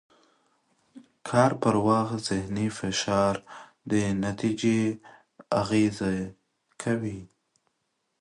کار پر وخت ذهني فشار د نتیجې اغېز کوي.